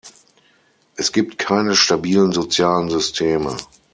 Es gibt keine stabilen sozialen Systeme.